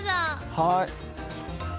はい。